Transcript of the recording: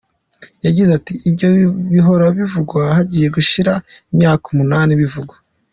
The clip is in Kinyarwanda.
Yagize ati “Ibyo bihora bivugwa, hagiye gushira imyaka umunani bivugwa.